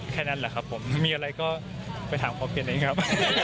แค่นั้นแหละครับผมมีอะไรก็ไปถามเขาเปลี่ยนได้ยังไงครับ